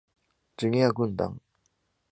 ジュニア軍団。